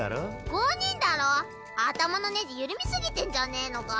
五人だろ？頭のねじ緩み過ぎてんじゃねぇのか？